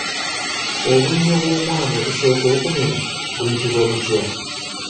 Obunnyo bw'omwana obusooka okumera buyitibwa butya?